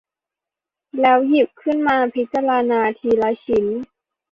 แล้วหยิบขึ้นมาพิจารณาทีละชิ้น